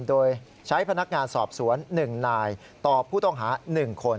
โดยใช้พนักงานสอบสวน๑นายต่อผู้ต้องหา๑คน